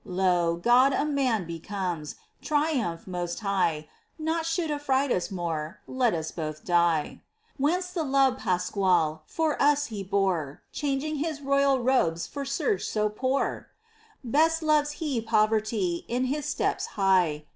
Lo, God a man becomes. Triumph most high ! Naught should afíright us more Let us both die !— Whence the love, Pascual, For us He bore, Changing His royal robes For serge so poor ?— Best loves He poverty ; In His steps hie !